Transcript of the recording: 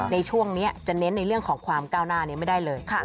ในช่วงนี้จะเน้นในเรื่องของความก้าวหน้านี้ไม่ได้เลย